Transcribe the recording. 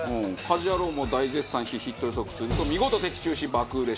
家事ヤロウも大絶賛しヒット予測すると見事的中し爆売れしました。